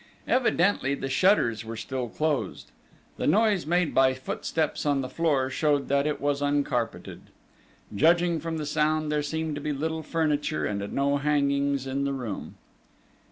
Evidently the shutters were still closed. The noise made by footsteps on the floor showed that it was uncarpeted. Judging from the sound, there seemed to be little furniture and no hangings in the room.